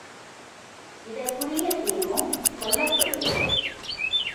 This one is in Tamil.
இதற்குரிய தீர்வும் சொல்லப்படுகிறது.